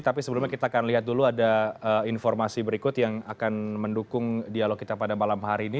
tapi sebelumnya kita akan lihat dulu ada informasi berikut yang akan mendukung dialog kita pada malam hari ini